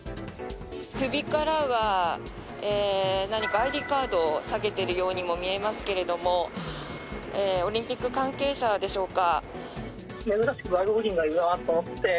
首からは何かＩＤカードを提げているようにも見えますけれどもオリンピック関係者でしょうか。